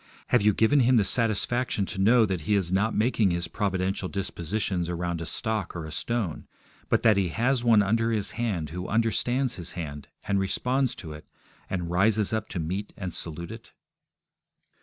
Have you given Him the satisfaction to know that He is not making His providential dispositions around a stock or a stone, but that He has one under His hand who understands His hand, and responds to it, and rises up to meet and salute it?